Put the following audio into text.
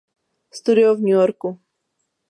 Studio v New Yorku.